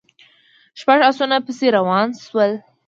شپږ آسونه پسې روان شول.